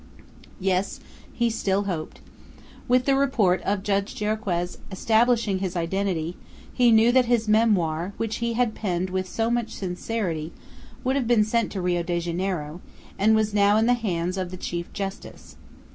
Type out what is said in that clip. Yes, he still hoped. With the report of Judge Jarriquez establishing his identity, he knew that his memoir, which he had penned with so much sincerity, would have been sent to Rio de Janeiro, and was now in the hands of the chief justice.